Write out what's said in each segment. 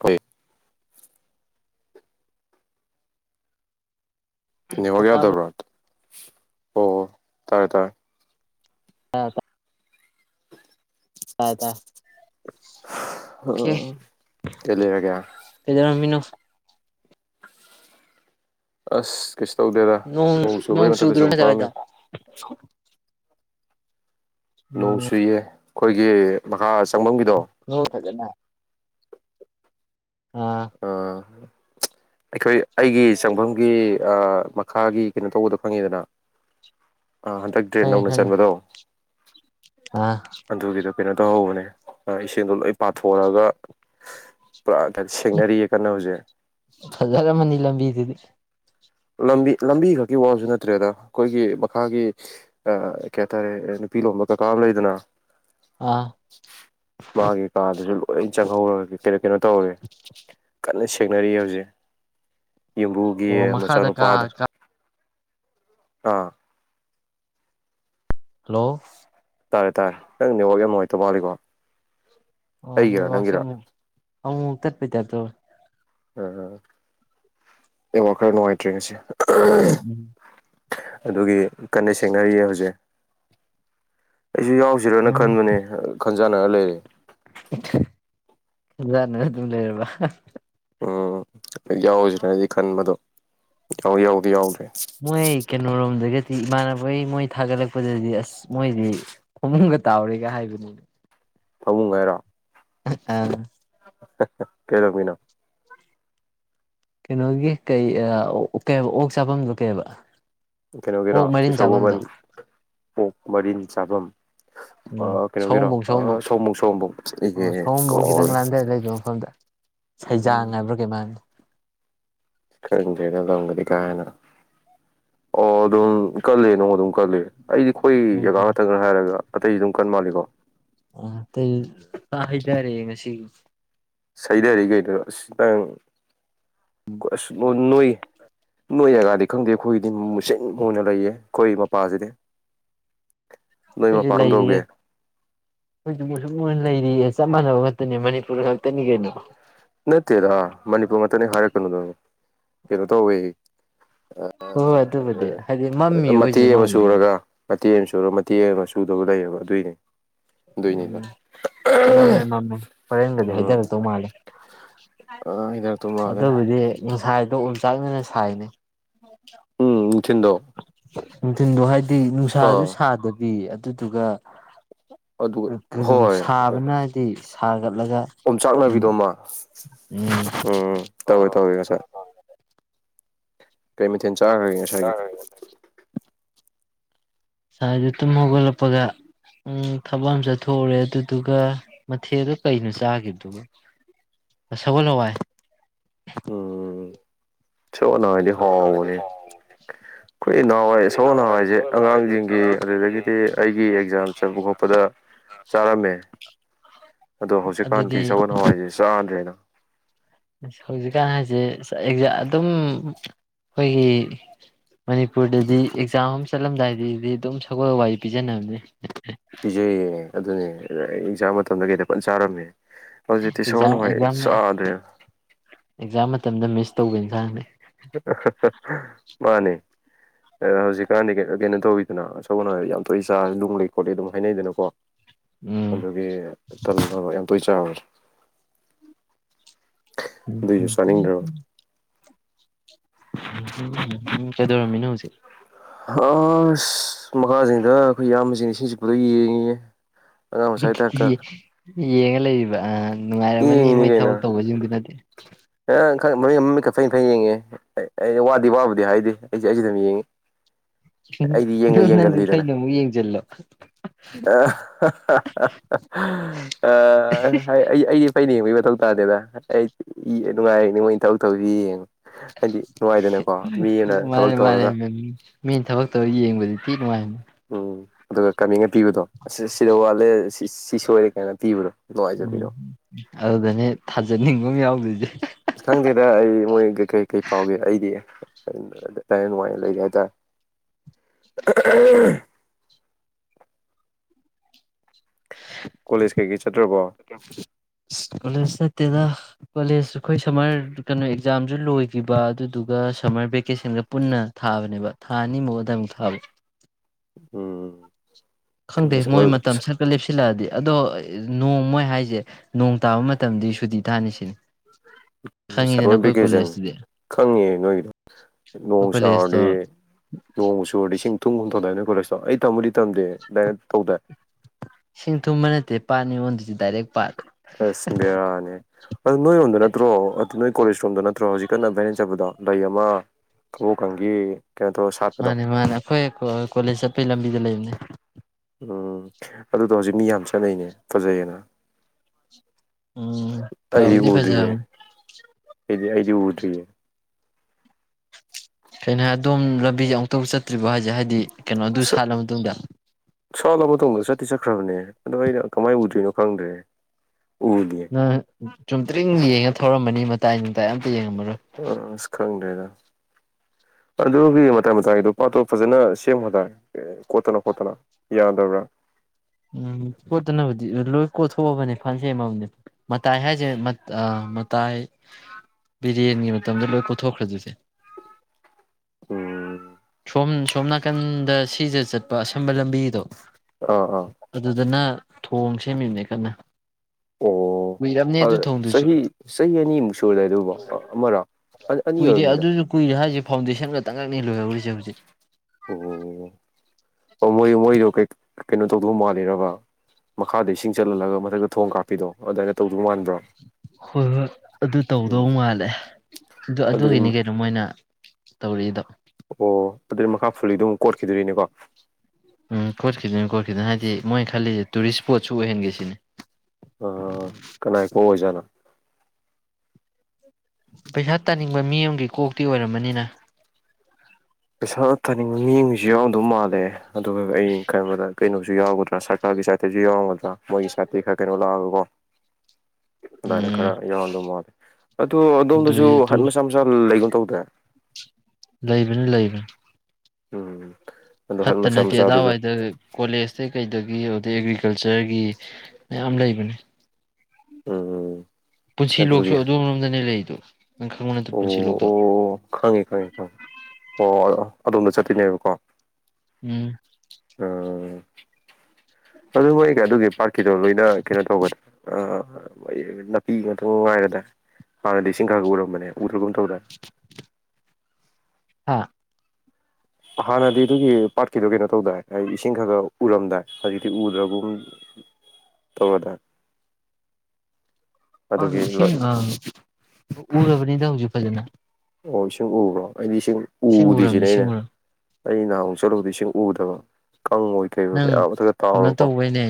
ꯍꯣꯏ ꯇꯥꯏ ꯅꯦꯠꯋꯔꯛ ꯌꯥꯗꯕꯔꯣ꯫ ꯑꯣ ꯇꯥꯔꯦ ꯇꯥꯔꯦ [unintelligible] ꯇꯥꯔꯦ ꯇꯥꯔꯦ ꯀꯩ ꯂꯩꯔꯒꯦ ꯀꯩꯗꯧꯔꯝꯃꯤꯅꯣ ꯑꯁ ꯀꯩꯁꯨ ꯇꯧꯗꯦꯗ ꯅꯣꯡ ꯆꯨꯕꯒꯤ ꯃꯊꯛꯇ ꯅꯣꯡꯆꯨꯗꯔꯣ ꯁꯨꯝ ꯅꯣꯏ ꯑꯗꯥꯏꯗ ꯐꯝꯃꯤ ꯅꯣꯡ ꯆꯨꯏꯌꯦ ꯑꯩꯈꯣꯏꯒꯤ ꯃꯈꯥ ꯆꯪꯐꯝꯒꯤꯗꯣ [unintelligible] ꯑꯥ ꯑꯥ ꯑꯩꯈꯣꯏ ꯑꯩꯒꯤ ꯆꯪꯐꯝꯒꯤ ꯑꯥ ꯃꯈꯥꯒꯤ ꯀꯩꯅꯣ ꯇꯧꯕꯗꯣ ꯐꯪꯉꯤꯗꯅ ꯍꯟꯗꯛ ꯗ꯭ꯔꯦꯟ ꯈꯪꯉꯦ ꯅꯧꯅ ꯈꯪꯉꯦ ꯆꯟꯕꯗꯣ ꯑꯥ ꯑꯗꯨꯒꯤꯗꯣ ꯀꯩꯅꯣ ꯇꯧꯍꯧꯕꯅꯦ ꯑ ꯏꯁꯤꯡꯗꯣ ꯂꯣꯏ ꯄꯥꯊꯣꯛꯑꯒ ꯁ ꯄꯨꯔꯥ ꯁꯦꯡꯅꯔꯤꯌꯦ ꯀꯟꯅ ꯍꯧꯖꯤꯛ꯫ ꯐꯖꯔꯝꯃꯅꯤ ꯂꯝꯕꯤꯗꯨꯗꯤ ꯂꯝꯕꯤ ꯂꯝꯕꯤ ꯈꯛꯀꯤ ꯋꯥꯁꯨ ꯅꯠꯇ꯭ꯔꯦꯗ ꯑꯩꯈꯣꯏꯒꯤ ꯃꯈꯥꯒꯤ ꯑꯥ ꯀꯩ ꯍꯥꯏꯇꯥꯔꯦ ꯅꯨꯄꯤ ꯂꯣꯟꯕ ꯀꯀꯥ ꯑꯃ ꯂꯩꯗꯅ ꯑꯥ ꯃꯥꯒꯤ ꯀꯥꯗꯨꯁꯨ ꯂꯣꯏ ꯆꯪꯍꯧꯔꯒ ꯀꯩꯅꯣ ꯀꯩꯅꯣ ꯇꯧꯍꯧꯔꯦ ꯀꯟꯅ ꯁꯦꯡ ꯊꯦꯡꯅꯔꯤꯌꯦ ꯍꯧꯖꯤꯛ꯫ ꯌꯨꯝꯕꯨꯒꯤ ꯑꯣ ꯃꯁ ꯃꯈꯥꯗ ꯀꯥ ꯀꯥ ꯑꯥ ꯍꯜꯂꯣ ꯇꯥꯔꯦ ꯇꯥꯔꯦ ꯅꯪ ꯅꯦꯠꯋꯥꯛ ꯌꯥꯝ ꯅꯨꯡꯉꯥꯏꯇ ꯃꯥꯥꯜꯂꯤꯀꯣ? ꯑꯣ ꯅꯦꯠꯋꯥꯛꯁꯦ ꯎꯝ ꯑꯃꯨꯃꯨꯛ ꯇꯠꯄꯩ ꯇꯥꯏꯞ ꯇꯧꯋꯦ꯫ ꯑ ꯅꯦꯠꯋꯥꯔꯛ ꯈꯔ ꯅꯨꯡꯉꯥꯏꯇ꯭ꯔꯦ ꯉꯁꯤ꯫ ꯎꯝ ꯑꯗꯨꯒꯤ ꯀꯟꯅ ꯁꯦꯡꯅꯔꯤꯌꯦ ꯍꯧꯖꯤꯛ ꯑꯩꯖꯨ ꯌꯥꯎꯁꯤꯔꯅ ꯎꯝ ꯈꯟꯕꯅꯦ ꯈꯟꯖꯥꯅꯔ ꯂꯩꯔꯦ꯫ ꯈꯟꯖꯥꯟꯅꯔ ꯑꯗꯨꯝ ꯂꯩꯔꯕ? ꯎꯝ ꯌꯥꯎꯖꯤꯔ ꯍꯥꯏꯗꯤ ꯈꯟꯕ ꯑꯗꯣ ꯌꯥꯎ ꯌꯥꯎꯗꯤ ꯌꯥꯎꯗ꯭ꯔꯦ꯫ ꯃꯣꯏ ꯀꯩꯅꯔꯣꯝꯗꯒꯗꯤ ꯏꯃꯥꯟꯅꯕꯣꯏ ꯃꯣꯏ ꯊꯥꯒꯠꯂꯛꯄꯗꯗꯤ ꯑꯁ ꯃꯣꯏꯗꯤ ꯐꯃꯨꯡꯒ ꯇꯥꯎꯔꯦꯒ ꯍꯥꯏꯕꯅꯤꯅꯦ꯫ ꯐꯃꯨꯡ ꯍꯥꯏꯔꯣ? ꯑ ꯍꯥꯍꯥ ꯀꯩꯂꯝꯒꯤꯅꯣ? ꯀꯩꯅꯣꯒꯤ ꯀꯩ ꯑ ꯑꯣꯛ ꯀꯩ ꯍꯥꯏꯕ ꯑꯣꯛ ꯆꯥꯐꯝꯗꯣ ꯀꯩꯕ? ꯀꯩꯅꯣꯒꯤꯔꯣ ꯑꯣꯛ ꯁꯤ ꯃꯔꯤꯟ ꯆꯥꯐꯝꯗꯣ ꯁꯒꯣꯃꯟ ꯄꯣꯛ ꯃꯔꯤꯟ ꯆꯥꯚꯝ꯫ ꯎꯝ ꯁꯋꯣꯝꯕꯨꯡ ꯁꯋꯣꯝꯕꯨꯡ ꯁꯣꯝꯕꯨꯡ ꯁꯣꯝꯕꯨꯡ ꯑꯥ ꯑꯦ ꯁꯋꯣꯝꯕꯨꯡ ꯀꯥꯎꯔꯦ ꯈꯤꯇꯪ ꯂꯥꯟꯊ ꯂꯩꯕ ꯃꯐꯝꯗ ꯁꯩꯖꯥꯡ ꯍꯥꯏꯕ꯭ꯔꯥ ꯀꯩꯝ ꯍꯥꯏꯝꯅꯤ ꯈꯪꯗꯔꯦꯗ ꯂꯝꯒꯗꯤ ꯀꯩ ꯍꯥꯏꯅꯣ ꯑꯣ ꯑꯗꯨꯝ ꯀꯜꯂꯤ ꯅꯣꯡ ꯑꯗꯨꯝ ꯀꯜꯂꯤ꯫ ꯑꯩꯗꯤꯈꯣꯏ ꯖꯒꯥ ꯉꯥꯛꯇꯪꯔ ꯍꯥꯏꯔꯒ꯫ ꯑꯇꯩ ꯑꯗꯨꯝ ꯀꯟ ꯃꯥꯜꯂꯤꯀꯣ? ꯑ ꯑꯇꯩ ꯄꯨꯔꯥ ꯍꯩꯗꯔꯦꯌꯦ ꯉꯁꯤꯒꯤ꯫ ꯑꯁ ꯍꯩꯗꯔꯤ ꯀꯩꯅꯣ ꯑꯁ ꯅꯪ ꯑꯁ ꯅꯣꯏ ꯅꯣꯏ ꯖꯒꯥꯗꯤ ꯈꯪꯗꯦ ꯑꯩꯈꯣꯏꯒꯤꯗꯤ ꯃꯨꯁꯤꯟ ꯃꯨꯅ ꯂꯩꯌꯦ ꯑꯩꯈꯣꯏ ꯃꯄꯥꯖꯤꯗꯤ꯫ ꯈꯣꯏꯖꯨ ꯂꯩꯔꯤꯌꯦ ꯈꯣꯏꯖꯨ ꯃꯨꯁꯤꯟ ꯃꯨ ꯂꯩꯔꯤꯌꯦ ꯆꯞ ꯃꯥꯟꯅꯕ ꯉꯥꯛꯇꯅꯦ ꯃꯅꯤꯄꯨꯔ ꯉꯥꯛꯇꯅꯤ ꯀꯩꯅꯣ꯫ ꯅꯠꯇꯦꯗ ꯃꯅꯤꯄꯨꯔ ꯉꯥꯛꯇꯅꯤ ꯍꯥꯏꯔꯛꯀꯅꯨꯗ ꯀꯩꯅꯣ ꯇꯧꯋꯦ ꯍꯣꯏ ꯍꯣꯏ ꯑꯗꯨꯕꯨꯗꯤ ꯍꯥꯏꯗꯤ ꯃꯝꯃꯤ ꯑꯩꯈꯣꯏꯁꯨ ꯃꯇꯦꯛ ꯑꯃ ꯃꯝꯃꯤ ꯃꯝꯃꯤ꯫ ꯆꯨꯔꯒ ꯃꯇꯦꯛ ꯑꯝ ꯆꯨꯔꯒ ꯃꯇꯦꯛ ꯑꯃ ꯆꯨꯗꯕ ꯂꯩꯌꯦꯕ ꯑꯗꯨꯏꯅꯤ꯫ ꯑꯗꯨꯏꯅꯤꯗ ꯎꯝ ꯃꯥꯝꯃꯦ ꯃꯥꯝꯃꯦ ꯍꯣꯔꯦꯟꯒꯗꯤ ꯎꯝ ꯍꯩꯗꯔꯛꯇꯧ ꯃꯥꯜꯂꯦ ꯍꯤꯗꯥꯛꯇꯣ ꯃꯥꯜꯂꯦ ꯑꯗꯨꯕꯨꯗꯤ ꯉꯁꯥꯏꯗꯣ ꯑꯣꯝꯆꯥꯛꯅꯅ ꯁꯥꯏꯅꯦ ꯅꯨꯡ ꯊꯤꯟꯗꯣ ꯅꯨꯡꯊꯤꯟꯗꯣ ꯍꯥꯏ ꯑꯗꯤ ꯅꯨꯡꯁꯥꯁꯨ ꯁꯥꯗꯕꯤ ꯑꯗꯨꯗꯨꯒ ꯑꯗꯨꯒ ꯖꯝ ꯍꯣꯏ ꯁꯥꯕꯅ ꯍꯥꯏꯗꯤ ꯁꯥꯠ ꯑꯣꯝꯆꯥꯛꯅꯕꯤꯗꯣꯃ ꯎꯝ ꯎꯝ ꯇꯧꯋꯦ ꯇꯧꯋꯦ ꯉꯁꯥꯏ ꯀꯩ ꯃꯊꯦꯜ ꯆꯥꯒ꯭ꯔꯒꯦ ꯉꯁꯥꯏꯒꯤ ꯁꯥꯏꯗ ꯇꯨꯝ ꯍꯧꯒꯠꯂꯛꯄꯒ ꯎ ꯊꯕꯛ ꯑꯃ ꯆꯠꯊꯣꯛꯎꯔꯦ ꯑꯗꯨꯗꯨꯒ ꯃꯊꯦꯜꯗꯣ ꯀꯩꯅꯣ ꯆꯥꯒꯤꯕꯗꯨ ꯑ ꯁꯒꯣꯜ ꯍꯋꯥꯏ ꯎꯝ ꯁꯒꯣꯜ ꯍꯋꯥꯏꯗꯤ ꯍꯥꯎꯕꯅꯤ ꯑꯩꯈꯣꯏ ꯅꯍꯥꯋꯥꯏ ꯁꯒꯣꯜ ꯍꯋꯥꯏꯁꯦ ꯑꯉꯥꯡꯁꯤꯡꯒꯤ ꯑꯗꯨꯗꯒꯤꯗꯤ ꯑꯩꯒꯤ ꯑꯦꯛꯖꯥꯝ ꯆꯠꯄ ꯈꯣꯠꯄꯗ ꯆꯥꯔꯝꯃꯦ ꯑꯗꯣ ꯍꯧꯖꯤꯛꯀꯥꯟꯗꯤ ꯑꯗꯨꯗꯤ ꯁꯒꯣꯜ ꯍꯋꯥꯏꯁꯦ ꯆꯥꯗ꯭ꯔꯦꯅ ꯑꯁ ꯍꯧꯖꯤꯛꯀꯥꯟ ꯍꯥꯏꯁꯦ ꯑꯗꯨꯝ ꯑꯩꯈꯣꯏꯒꯤ ꯃꯅꯤꯄꯨꯔꯗꯗꯤ ꯑꯦꯛꯖꯥꯝ ꯑꯃ ꯆꯠꯂꯝꯗꯥꯏꯗꯗꯤ ꯑꯗꯨꯝ ꯁꯒꯣꯜ ꯍꯋꯥꯏ ꯄꯤꯖꯅꯕꯅꯦ ꯄꯤꯖꯩꯌꯦ ꯑꯗꯨꯅꯦ ꯑꯦꯛꯖꯥꯝ ꯃꯇꯝꯗ ꯀꯩꯗ ꯐ ꯆꯥꯔꯝꯃꯦ ꯍꯧꯖꯤꯛꯇꯤ ꯁꯒꯣꯜ ꯑꯦꯛꯖꯥꯝ ꯍꯋꯥꯏ ꯑꯦꯛꯖꯥꯝ ꯆꯥꯗ꯭ꯔꯦ ꯑꯦꯛꯖꯥꯝ ꯃꯇꯝꯗ ꯃꯤꯁ ꯇꯧꯕ ꯏꯟꯖꯥꯡꯅꯦ ꯃꯥꯅꯦ ꯍꯧꯖꯤꯛꯀꯥꯟꯗꯤ ꯀꯩꯅꯣ ꯇꯧꯋꯤꯗꯅ ꯁꯒꯣꯜ ꯍꯋꯥꯏꯖꯦ ꯌꯥꯝ ꯇꯣꯏꯅ ꯆꯥ ꯅꯨꯡ ꯂꯩ ꯈꯣꯠꯂꯤ ꯑꯗꯨꯝ ꯍꯥꯏꯅꯩꯗꯅꯀꯣ ꯎꯝ ꯑꯗꯨꯒꯤ ꯇꯜꯂꯕ ꯌꯥꯝ ꯇꯣꯏ ꯆꯥꯎꯔꯦ ꯑꯗꯨꯏꯁꯨ ꯆꯥꯅꯤꯡꯗ꯭ꯔꯕ ꯎꯝ ꯀꯩꯗꯧꯔꯝꯃꯤꯅꯣ ꯍꯧꯖꯤꯛ ꯑꯁ ꯃꯈꯥꯁꯤꯡꯗ ꯑꯩꯈꯣꯏ ꯏꯌꯥꯝꯕꯁꯤꯡ ꯏꯁꯤꯡ ꯁꯤꯠꯄꯗꯣ ꯌꯦꯡꯉꯤꯌꯦ ꯑꯉꯥꯡ ꯃꯆꯥꯏ ꯇꯥꯏꯞꯇ ꯌꯦꯡꯉ ꯂꯩꯔꯤꯕ ꯅꯨꯡꯉꯥꯏꯔꯝꯃꯅꯤ ꯃꯣꯏ ꯊꯕꯛ ꯇꯧꯕꯖꯤꯡꯗꯨꯅꯗꯤ ꯑ ꯃꯃꯤ ꯃꯃꯤ ꯈ ꯐꯩꯅ ꯐꯩꯅ ꯌꯦꯡꯉꯦ ꯑꯩ ꯋꯥꯗꯤ ꯋꯥꯕꯨꯗꯤ ꯍꯥꯏꯗꯦ ꯑꯩꯁꯦ ꯑꯩꯖꯨ ꯑꯗꯨꯝ ꯌꯦꯡꯉꯤ ꯑꯩꯗꯤ ꯌꯦꯡꯒ ꯅꯪꯖꯨ ꯌꯦꯡꯒꯜꯂꯤꯗꯅ ꯐꯩꯅ ꯑꯃꯨꯛ ꯌꯦꯡꯖꯤꯜꯂꯣ [unintelligible] ꯐꯩꯅ ꯌꯦꯡꯕꯒꯤ ꯃꯊꯧ ꯇꯥꯗꯦꯗ ꯑꯩ ꯏ ꯅꯨꯡꯉꯥꯏꯔꯤꯅꯦ ꯃꯣꯏꯅ ꯊꯕꯛ ꯇꯧꯕꯁꯤ ꯌꯦꯡꯉꯤ ꯑꯃꯅ ꯃꯥꯅꯦ ꯊꯕꯛ ꯃꯥꯅꯦ ꯇꯧꯔꯒ ꯃꯤꯅ ꯊꯕꯛ ꯇꯧꯔ ꯌꯦꯡ ꯊꯤ ꯅꯨꯡꯉꯥꯏ ꯎꯝ ꯑꯗꯨꯒ ꯀꯥꯃꯦꯟꯒ ꯄꯤꯕꯗꯣ ꯑꯁ ꯁꯤꯗ ꯋꯥꯠꯂꯦ ꯁꯤ ꯁꯣꯏꯔꯦ ꯀꯥꯏꯅ ꯄꯤꯕꯗꯣ ꯅꯨꯡꯉꯥꯏꯖꯕꯤꯗꯣ ꯎꯝ ꯑꯗꯨꯗꯅꯦ ꯊꯥꯖꯅꯤꯡ ꯌꯥꯎꯗꯣꯏꯖꯦ ꯈꯪꯗꯦꯗ ꯑꯩ ꯃꯣꯏ ꯀꯩ ꯀꯩ ꯐꯥꯎꯒꯦ ꯑꯩꯗꯤ ꯅꯨꯡꯉꯥꯏꯅ ꯂꯩꯒꯦ ꯍꯥꯏꯇꯥꯔꯦ [unintelligible] ꯀꯣꯂꯦꯖ ꯀꯩꯀꯩ ꯆꯠꯇ꯭ꯔꯕꯣ ꯀꯣꯂꯦꯖ ꯆꯠꯇꯦꯗ ꯀꯣꯂꯦꯖ ꯑꯩꯈꯣꯏ ꯁꯝꯃꯔ ꯀꯩꯅꯣ ꯑꯦꯛꯖꯥꯝꯁꯨ ꯂꯣꯏꯈꯤꯕ ꯑꯗꯨꯗꯨꯒ ꯁꯝꯃꯔ ꯚꯦꯀꯦꯁꯟꯒ ꯄꯨꯟꯅ ꯊꯥꯕꯅꯦꯕ ꯊꯥ ꯑꯅꯤꯃꯨꯛ ꯑꯗꯥꯏꯃꯨꯛ ꯊꯥꯕ ꯎꯝ ꯈꯪꯗꯦ ꯀꯩꯅꯣ ꯃꯣꯏ ꯁꯝꯃꯔ ꯃꯇꯝ ꯁꯠꯀ ꯂꯦꯞꯁꯤꯜꯂꯛꯑꯗꯤ ꯑꯗꯣ ꯅꯣꯡ ꯃꯣꯏ ꯍꯥꯏꯁꯦ ꯅꯣꯡ ꯇꯥꯕ ꯃꯇꯝꯗ ꯁꯨꯇꯤ ꯊꯥꯅꯤ ꯁꯤꯅꯤ ꯈꯪꯉꯤꯗꯅ ꯁꯃꯔ ꯑꯩꯈꯣꯏ ꯕꯦꯀꯦꯁꯟ ꯀꯣꯂꯦꯖꯇꯨꯗꯤ ꯈꯪꯉꯤ ꯅꯣꯏꯒꯤꯗꯣ ꯅꯣꯡ ꯑꯩꯈꯣꯏ ꯆꯥꯔꯗꯤ ꯀꯣꯂꯦꯖꯇꯣ ꯅꯣꯡ ꯁꯨꯔꯗꯤ ꯏꯁꯤꯡ ꯊꯨꯝ ꯒꯨꯝ ꯊꯧꯗꯥꯏ ꯅꯣꯏ ꯀꯣꯂꯦꯖ ꯇꯣ ꯑꯩ ꯇꯝꯕꯨꯗꯤ ꯇꯝꯗꯦ [unintelligible] ꯇꯧꯗꯦ ꯏꯁꯤꯡ ꯊꯨꯝꯕ ꯅꯠꯇꯦ ꯄꯥꯠꯅꯦ ꯑꯣꯟꯗꯨꯏꯖꯦ ꯗꯗꯥꯏꯔꯦꯛ ꯄꯥꯠ ꯑꯁ ꯕꯦꯔꯥꯅꯤꯍꯦ ꯑꯗꯨ ꯅꯣꯏ ꯔꯣꯟꯗ ꯅꯠꯇ꯭ꯔꯣ ꯅꯣꯏ ꯀꯣꯂꯦꯖ ꯔꯣꯝꯗ ꯅꯠꯇ꯭ꯔꯣ ꯍꯧꯖꯤꯛ ꯀꯟꯅ ꯚꯏꯔꯦꯜ ꯆꯠꯄꯗꯣ ꯂꯩ ꯑꯃ ꯀꯕꯣꯀꯪꯒꯤ ꯀꯩꯅꯣ ꯇꯧꯔ ꯁꯥꯠꯄꯗꯣ ꯃꯥꯅꯦ ꯃꯥꯅꯦ ꯑꯩꯈꯣꯏ ꯀꯣꯂꯦꯖ ꯆꯠꯄꯩ ꯂꯝꯕꯤꯗ ꯂꯩꯕꯅꯦ ꯎꯝ ꯑꯗꯨꯗꯣ ꯍꯧꯖꯤꯛ ꯃꯤ ꯌꯥꯝ ꯆꯠꯅꯩꯅꯦ ꯐꯖꯩꯌꯦꯅ ꯎꯝ ꯑꯩꯗꯤ ꯐꯕꯨꯗꯤ ꯎꯗ꯭ꯔꯤꯌꯦ ꯐꯖꯕꯅꯦ [unintelligible] ꯀꯩꯅ ꯍꯥꯏ ꯑꯗꯣꯝ ꯂꯝꯕꯤꯁꯦ ꯑꯃꯨꯛꯇ ꯆꯠꯇ꯭ꯔꯤꯕꯣ ꯍꯥꯏꯁꯦ ꯍꯥꯏꯗꯤ ꯀꯩꯅꯣꯗꯨ ꯑꯁ ꯁꯥꯠꯂ ꯃꯇꯨꯡꯗ ꯁꯥꯠꯂꯕ ꯃꯇꯨꯡꯗꯣ ꯆꯠꯇꯤ ꯆꯠꯈ꯭ꯔꯕꯅꯦ ꯑꯗꯣ ꯑꯩꯅ ꯀꯃꯥꯏꯅ ꯎꯗ꯭ꯔꯤꯅꯣ ꯈꯪꯗ꯭ꯔꯦ ꯎꯗꯤꯌꯦ ꯅꯪ ꯆꯨꯝꯇ꯭ꯔꯤꯡ ꯌꯦꯡꯉ ꯊꯧꯔꯝꯃꯅꯤ ꯇꯥꯏ ꯃꯇꯥꯏ ꯑꯝꯇ ꯌꯦꯡꯉꯝꯃꯔꯣꯏ ꯑꯁ ꯈꯪꯗ꯭ꯔꯦꯗ ꯑꯗꯨꯒꯤ ꯃꯇꯥꯏ ꯃꯇꯥꯏꯒꯤꯗꯣ ꯄꯥꯠꯇꯣ ꯐꯖꯅ ꯁꯦꯝꯒꯔꯗꯥꯏ ꯀꯣꯠꯇꯅ ꯈꯣꯠꯇꯅ ꯌꯥꯗꯕ꯭ꯔꯥ ꯎꯝ ꯀꯣꯠꯇꯅꯕꯨꯗꯤ ꯂꯣꯏ ꯀꯣꯊꯣꯛꯑꯕꯅꯦ ꯐꯟ ꯁꯦꯝꯃꯕꯅꯦ ꯃꯇꯥꯏ ꯍꯥꯏꯁꯦ ꯃꯇꯥꯏ ꯕꯤꯔꯦꯟꯒꯤ ꯃꯇꯝꯗ ꯂꯣꯏ ꯀꯣꯊꯣꯛꯈ꯭ꯔꯗꯨꯗꯤ ꯎꯝ ꯁꯣꯝ ꯁꯣꯝ ꯅꯥꯀꯟꯗ ꯁꯤꯖꯥ ꯆꯠꯄ ꯑꯁꯝꯕ ꯂꯝꯕꯤꯗꯣ ꯑꯥ ꯑꯥ ꯑꯗꯨꯗꯅ ꯊꯣꯡ ꯁꯦꯝꯃꯤꯕꯅꯦ ꯀꯟꯅ ꯑꯣ ꯀꯨꯏꯔꯕꯅꯦ ꯑ ꯑꯗꯨ ꯊꯣꯡꯗꯨꯁꯨ ꯆꯍꯤ ꯆꯍꯤ ꯑꯅꯤꯃꯨꯛ ꯁꯨꯔꯗꯥꯏ ꯑꯗꯨꯕꯨ ꯑꯃꯔꯥ ꯑꯅꯤ ꯀꯨꯏꯔꯦ ꯑꯣꯏꯔꯝꯅꯤꯗ ꯑꯗꯨꯁꯨ ꯀꯨꯏꯔꯦ ꯍꯥꯏꯁꯦ [unintelligible] ꯂꯣꯏꯍꯧꯔꯤꯁꯦ ꯍꯧꯖꯤꯛ ꯑꯣ ꯑꯣ ꯃ ꯃꯣꯏꯗꯣ [unintelligible] ꯀꯩꯅꯣ ꯇꯧꯗꯧ ꯃꯥꯜꯂꯤꯔꯕ ꯃꯈꯥꯗ ꯏꯁꯤꯡ ꯆꯠꯍꯜꯂꯒ ꯃꯊꯛꯇ ꯊꯣꯡ ꯀꯥꯞꯄꯤꯗꯣ ꯑꯗꯨꯃꯥꯏꯅ ꯇꯧ ꯍꯣꯏ ꯍꯣꯏ ꯑꯗꯨ ꯇꯧꯗꯧ ꯎꯝ ꯃꯥꯜꯂꯦ ꯑꯗꯨ ꯑꯗꯨꯗꯤ ꯑꯗꯨꯒꯤꯅꯤ ꯀꯩꯅꯣ ꯃꯣꯏꯅ ꯇꯧꯔꯛꯏꯗꯣ ꯑꯣ ꯑꯗꯨꯗꯤ ꯃꯈꯥ ꯐꯨꯜꯂꯤꯗꯨꯝ ꯀꯣꯠꯈꯤꯗꯨꯔꯤꯅꯦꯀꯣ ꯎꯝ ꯈꯣꯠꯈꯤꯗꯣꯏꯅꯤ ꯈꯣꯠꯈꯤꯗꯅꯤ ꯍꯥꯏꯗꯤ ꯃꯣꯏꯅ ꯈꯜꯂꯤꯁꯦ ꯇꯨꯔꯤꯁ ꯏꯁꯄꯣꯠꯁꯨ ꯑꯣꯏꯍꯟꯒꯦ ꯁꯤꯅꯦ ꯑ ꯀꯅꯥꯏ ꯀꯣꯛ ꯑꯣꯏꯖꯥꯠꯅꯣ꯫ ꯄꯩꯁꯥ ꯇꯥꯟꯅꯤꯡꯕ ꯃꯤ ꯑꯃꯒꯤ ꯀꯣꯛꯇꯤ ꯑꯣꯏꯔꯝꯃꯅꯤꯅ꯫ ꯄꯩꯁꯥ ꯇꯥꯅꯤꯡꯕ ꯃꯤꯑꯝꯒꯤꯁꯨ ꯌꯥꯎꯗꯧ ꯃꯥꯜꯂꯦ꯫ ꯑꯗꯨꯒ ꯑꯩꯩꯅ ꯈꯟꯕꯗ ꯀꯩꯅꯣ ꯁꯨꯌꯥꯎꯒꯗ꯭ꯔ ꯁꯔꯀꯥꯔꯒꯤ ꯁꯥꯏꯠ ꯇꯩꯁꯨ ꯌꯥꯎ ꯃꯣꯏꯒꯤ ꯁꯥꯠꯇꯩ ꯈ ꯀꯩꯅꯣꯒ [inaudible] ꯑꯗꯨꯃꯥꯏꯅ ꯈꯔ ꯎꯝ ꯌꯥꯎꯔꯝꯗꯧ ꯃꯥꯜꯂꯦ ꯑꯗꯨ ꯑꯗꯣꯝꯗꯁꯨ ꯑꯗꯨꯏ ꯑꯗꯨ ꯍꯠ ꯃꯆꯥ ꯃꯆꯥ ꯂꯩꯒꯨꯝ ꯇꯧꯗꯥꯏ꯫ ꯂꯩꯕꯅꯤ ꯂꯩꯕꯅꯤ꯫ ꯎꯝ꯫ ꯑꯗꯣ ꯍꯠ ꯍꯠꯇ ꯃꯆꯥ ꯅꯠꯇꯦ ꯑꯗ ꯃꯆꯥꯗꯨꯁꯨ ꯋꯥꯏꯗ ꯀꯣꯂꯁꯇꯩ ꯀꯩꯗꯒꯤ ꯑꯗꯨꯗꯩ ꯑꯦꯒ꯭ꯔꯤꯀꯜꯆꯔꯒꯤ ꯃꯌꯥꯝ ꯂꯩꯕꯅꯦ꯫ ꯎꯝ꯫ ꯄꯨꯟꯁꯤ ꯂꯣꯛꯁꯨ ꯑꯗꯨꯒꯤ ꯑꯗꯨꯔꯣꯝꯗꯅꯦ ꯂꯩꯗꯨ꯫ ꯑꯣ ꯑꯣ ꯈꯪꯉꯦ ꯈꯪꯉꯦ ꯈꯪꯉꯦ ꯑꯣ꯫ ꯑꯗꯣꯝꯗ ꯆꯠꯇꯨꯏꯅꯦꯕꯀꯣ꯫ ꯎꯝ꯫ ꯑ꯫ ꯑꯗꯨ ꯃꯣꯏꯒꯤ ꯑꯗꯨꯒꯤ ꯄꯥꯔꯀꯤꯗꯣ ꯂꯣꯏꯅ ꯀꯩꯅꯣ ꯇꯧꯒꯗ꯭ꯔꯥ꯫ ꯑ ꯅꯥꯄꯤ ꯉꯥꯛꯇꯪ ꯉꯥꯏꯔꯗꯥꯏ ꯍꯥꯟꯅꯗꯤ ꯏꯁꯤꯡ ꯈꯒ ꯎꯔꯝꯕꯅꯦ ꯎꯗ꯭ꯔꯒꯨꯝ [unintelligible] ꯍꯥ꯫ ꯍꯥꯟꯅꯗꯤ ꯑꯗꯨꯒꯤ ꯄꯥꯠꯀꯤꯗꯣ ꯀꯩꯅꯣ ꯇꯧꯗꯥꯏ ꯑ-ꯏꯁꯤꯡ ꯈ ꯒ ꯎꯔꯝꯗꯥꯏ ꯍꯧꯖꯤꯛꯇꯤ ꯎꯗ꯭ꯔꯒꯨꯝ ꯇꯧꯔꯗꯥꯏ꯫ ꯑꯪ ꯑꯗꯨꯒꯤ ꯂꯣꯏ ꯏꯁꯤꯡ ꯑꯪ ꯎꯔꯕꯅꯤꯗ ꯍꯧꯖꯤꯛ꯫ ꯐꯖꯅ꯫ ꯑꯣ ꯢꯁꯤꯡ ꯎꯕ꯭ꯔꯣ꯫ ꯑꯩꯗꯤ ꯏꯁꯤꯡ ꯎꯔꯕꯅꯤ ꯎꯗꯦꯁꯤꯅꯦ ꯏꯁꯤꯡ ꯑꯩꯅ꯫ ꯎꯔꯕꯅꯤ ꯑꯩ ꯅꯍꯥꯉꯨ ꯑꯃꯨꯛ ꯆꯠꯂꯨꯕꯗꯨ ꯏꯁꯤꯡ ꯎꯗꯕ꯫ ꯀꯪꯉꯣꯏ ꯀꯩꯑꯣꯏ ꯎꯪ ꯃꯌꯥꯝ ꯃꯊꯛꯇ ꯀꯩꯅꯣ ꯇꯥꯎꯔꯀꯣ ꯇꯧꯕꯩꯅꯦ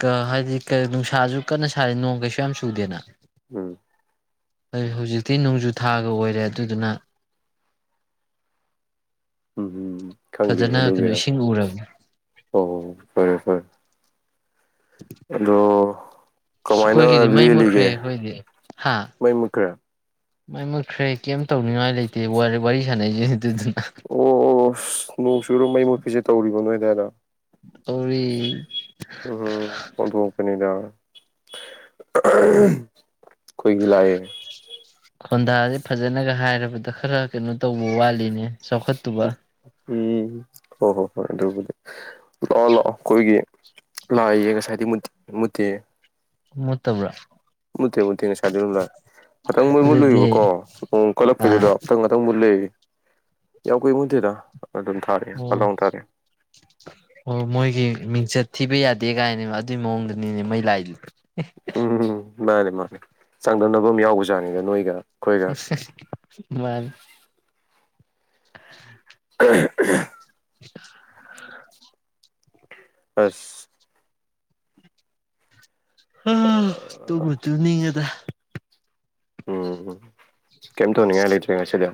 ꯀ-ꯍꯥꯏꯗꯤ꯫ ꯅꯨꯡꯁꯥꯁꯨ ꯀꯟꯅ ꯁꯥꯏ ꯅꯣꯡ ꯀꯩꯁꯨ ꯌꯥꯝ ꯆꯨꯗꯦꯅ꯫ ꯎꯝ꯫ ꯍꯧꯖꯤꯛꯇꯤ ꯅꯣꯡꯖꯨ ꯊꯥꯒ ꯑꯣꯏꯔꯦ ꯑꯗꯨꯗꯨꯅ꯫ ꯎꯝ ꯈꯪꯗꯦ ꯐꯖꯅ ꯀꯩꯅꯣ ꯑꯗꯨꯒꯤꯔ ꯏꯁꯤꯡ ꯎꯔꯕꯅꯤ ꯑꯣ ꯐꯔꯦ ꯐꯔꯦ꯫ ꯑꯗꯣ꯫ ꯀꯃꯥꯏꯅ ꯑꯩꯈꯣꯏꯒꯤꯗꯤ ꯃꯩ ꯃꯨꯠꯈ꯭ꯔꯦ ꯂꯦꯜꯂꯤꯒꯦ ꯑꯩꯈꯣꯏꯗꯤ ꯍꯥ ꯃꯩ ꯃꯨꯠꯈ꯭ꯔꯦ꯫ ꯃꯩ ꯃꯨꯠꯈ꯭ꯔꯦ ꯀꯩꯝ ꯇꯧꯅꯤꯉꯥꯏ ꯂꯩꯇꯦ ꯋꯥꯔꯤ ꯁꯥꯟꯅꯔꯤꯁꯤꯅꯤ ꯑꯗꯨꯗꯨ ꯑꯣ ꯑꯣ ꯑꯣ ꯑꯁ ꯅꯣꯡ ꯆꯨꯔ ꯃꯩ ꯃꯨꯠꯄꯤꯖꯦ ꯇꯧꯔꯤꯕ ꯅꯣꯏ ꯌꯥꯗꯧꯔꫭ ꯇꯧꯔꯤ- ꯎꯝꯝ ꯑꯣꯟꯊꯣꯛꯄꯅꯤꯗ ꯑꯥ ꯑꯍꯥ ꯍꯝꯝ ꯑꯩꯈꯣꯏꯒꯤꯗꯤ ꯂꯥꯏꯑꯦ ꯈꯣꯟꯗꯥꯥꯖꯦ ꯐꯖꯅꯒ ꯍꯥꯏꯔꯕꯗ ꯈꯔ ꯀꯩꯅꯣ ꯇꯧꯕ ꯋꯥꯠꯂꯤꯅꯦ ꯆꯥꯎꯈꯠꯇꯨꯕ ꯎꯝ ꯍꯣ ꯍꯣ ꯍꯣꯏ ꯑꯗꯨꯕꯨꯗꯤ ꯂꯥꯛꯑꯣ ꯂꯥꯛꯑꯣ ꯑꯩꯈꯣꯏꯒꯤ ꯂꯥꯛꯏꯌꯦ ꯉꯁꯥꯏꯗꯩ ꯃꯨꯠ ꯃꯨꯠꯇꯤꯌꯦ ꯃꯨꯠꯇꯕ꯭ꯔꯥ ꯃꯨꯠꯇꯦ ꯃꯨꯠꯇꯦ ꯉꯁꯥꯏꯗꯩ ꯑꯗꯨꯝ ꯂꯥꯛꯑꯦ ꯉꯥꯇꯪ ꯃꯩ ꯑꯗꯨꯗꯤ ꯃꯨꯠꯂꯨꯏꯦꯕꯀꯣ ꯅꯣꯡ ꯑꯥ ꯀꯠꯂꯛꯄꯩꯗꯨꯗ ꯉꯥꯇꯪ ꯉꯥꯇꯪ ꯃꯨꯠꯂꯦ ꯌꯥꯝ ꯀꯨꯏ ꯃꯨꯠꯇꯦꯗ ꯑꯗꯨꯝ ꯊꯥꯔꯛꯑꯦ ꯐꯠ ꯑꯣ- ꯂꯥꯎꯅ ꯊꯥꯔꯛꯑꯦ ꯑꯣ ꯃꯣꯏꯒꯤ ꯃꯤꯡꯆꯠ ꯊꯤꯕ ꯌꯥ ꯗꯦ ꯀꯥꯏꯅꯦꯕ ꯑꯗꯨꯏ ꯃꯑꯣꯡꯗꯅꯤꯅꯦ ꯃꯩ ꯂꯥꯏꯗꯨꯗꯤ ꯎꯝ ꯃꯥꯅꯦ ꯃꯥꯅꯦ ꯆꯥꯡꯗꯝꯅꯕ ꯑꯃ ꯌꯥꯎꯕꯖꯥꯅꯤꯗ ꯅꯣꯏꯒꯥ ꯁ ꯍꯝ ꯃꯥꯅꯤ [unintelligible] [unintelligible] ꯑꯥꯁ ꯑ ꯇꯨꯝꯕꯨ ꯇꯨꯝꯅꯤꯡꯉꯦꯗꯥ ꯎꯝ ꯀꯩꯝ ꯑꯁ ꯀꯩꯝ ꯂꯩꯇ꯭ꯔꯦ ꯇꯧꯅꯤꯡꯉꯥꯏ ꯉꯁꯤꯗꯤ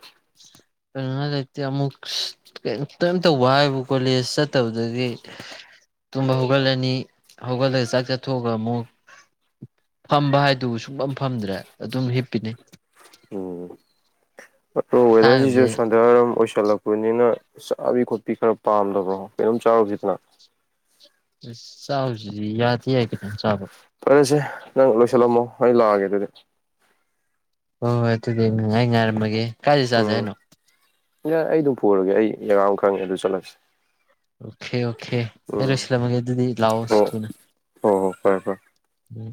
ꯇꯧꯅꯤꯡꯉꯥꯏ ꯂꯩꯇꯦ ꯑꯃꯨꯛ ꯑꯁ ꯀꯩꯝꯇ ꯀꯩꯝ ꯇꯧꯕ ꯍꯥꯏꯕꯨ ꯀꯣꯂꯦꯖ ꯆꯠꯇꯕꯗꯒꯤ ꯇꯨꯝꯕ ꯍꯧꯒꯠꯂꯅꯤ ꯍꯧꯒꯠꯂ ꯆꯥꯛ ꯆꯠꯊꯣꯛꯑꯒ ꯑꯃꯨꯛ ꯐꯝꯕ ꯍꯥꯏꯗꯨꯕꯨ ꯁꯨꯡꯐꯝ ꯐꯝꯗ꯭ꯔꯦ ꯑꯗꯨꯝ ꯍꯤꯞꯄꯤꯅꯤ [unintelligible] [unintelligible] ꯋꯦꯗꯔꯁꯤꯁꯨ ꯏꯁꯥꯒꯁꯦ ꯁꯟꯗ꯭ꯌꯥ ꯋꯥꯏꯔꯝ ꯑꯣꯏꯁꯟ ꯀꯜꯂꯛꯄꯅꯤꯅ ꯆꯥꯕꯤ ꯈꯣꯠꯄꯤ ꯈꯔ ꯄꯥꯝꯗꯕ꯭ꯗ‌ꯣ ꯀꯩꯅꯣꯝ ꯆꯥꯔꯨꯁꯤꯗꯅ ꯆꯥꯎꯁꯤꯗꯤ ꯏꯌꯥꯗ ꯊꯤ ꯌꯥꯏ ꯀꯩꯅꯣꯝ ꯆꯥꯕ ꯐꯔꯦꯁꯦ ꯅꯪ ꯂꯣꯏꯁꯜꯂꯝꯃꯣ ꯑꯩ ꯂꯥꯛꯑꯒꯦ ꯑꯗꯨꯗꯤ ꯍꯣ ꯍꯣꯏ ꯑꯗꯨꯗꯤ ꯑꯩ ꯉꯥꯏ ꯉꯥꯏꯔꯝꯃꯒꯦꯍꯦ ꯀꯥꯏꯗ ꯆꯥꯖꯦ ꯍꯥꯏꯅꯣ ꯌꯥꯢ ꯑꯩ ꯗꯨꯝ ꯄꯨꯔꯒꯦ ꯑꯩ ꯖꯒꯥ ꯑꯃ ꯈꯪꯉꯦ ꯑꯗꯨ ꯆꯠꯂꯁꯦ ꯑꯣꯈꯦ ꯑꯣꯈꯦ ꯑꯩ ꯂꯣꯏꯁꯤꯜꯂꯝꯃꯒꯦ ꯑꯗꯨꯗꯤ ꯂꯥꯛꯑꯣ ꯍꯣ ꯊꯨꯅ ꯍꯣ ꯍꯣ ꯐꯔꯦ ꯐꯔꯦ ꯎꯝ